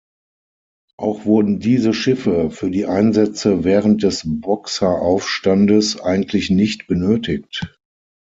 Auch wurden diese Schiffe für die Einsätze während des Boxeraufstandes eigentlich nicht benötigt.